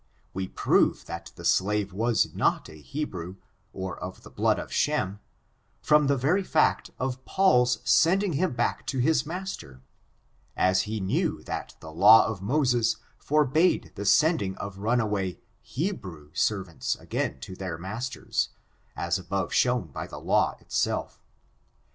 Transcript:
We prove that the slave was not a Hebrew^ or of the blood of Shem^ from the very fact of Paul's sending him back to his master ; as he knew that the law of Moses forbade the sending of runaway Hebrew servants again to their masters, as above shown by the law itself.